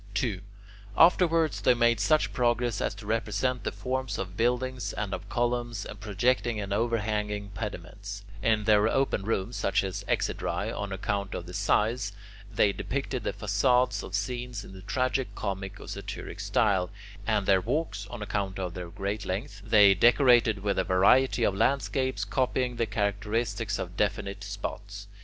2. Afterwards they made such progress as to represent the forms of buildings, and of columns, and projecting and overhanging pediments; in their open rooms, such as exedrae, on account of the size, they depicted the facades of scenes in the tragic, comic, or satyric style; and their walks, on account of the great length, they decorated with a variety of landscapes, copying the characteristics of definite spots.